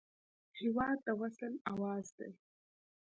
هېواد د وصل اواز دی.